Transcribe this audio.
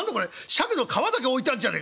シャケの皮だけ置いてあんじゃねえか。